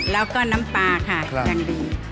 แล้วก็น้ำปลาค่ะอย่างดี